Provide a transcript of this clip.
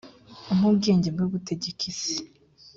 umpe ubwenge bwo gutegeka isi